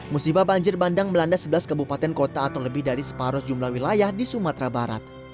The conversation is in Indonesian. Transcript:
musibah banjir bandang melanda sebelas kebupaten kota atau lebih dari separuh jumlah wilayah di sumatera barat